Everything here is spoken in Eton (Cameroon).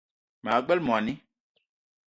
Maa gbele moni